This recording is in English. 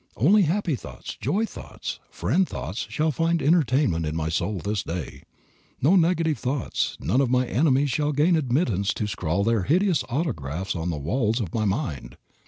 Only happy thoughts, joy thoughts, friend thoughts shall find entertainment in my soul this day. No negative thoughts, none of my enemies shall gain admittance to scrawl their hideous autographs on the walls of my mind.